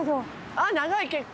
あっ長い結構。